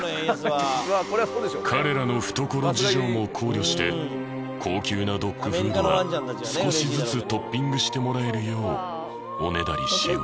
彼らの懐事情も考慮して高級なドッグフードは少しずつトッピングしてもらえるようおねだりしよう。